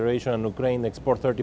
banyaknya karena konflik